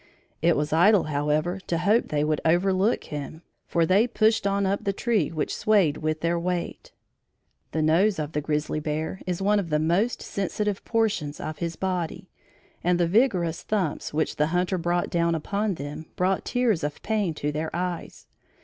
It was idle, however, to hope they would overlook him, for they pushed on up the tree which swayed with their weight. The nose of the grizzly bear is one of the most sensitive portions of his body, and the vigorous thumps which the hunter brought down upon them, brought tears of pain to their eyes.